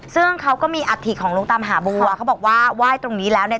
ซึ่งเขาก็มีอัฐิของลงตามหาบัวเขาบอกว่าไหว้ตรงนี้แล้วเนี่ย